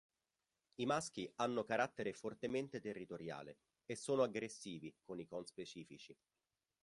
I maschi hanno carattere fortemente territoriale e sono aggressivi con i conspecifici.